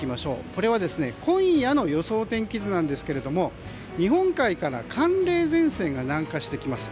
これは今夜の予想天気図ですが日本海から寒冷前線が南下してきます。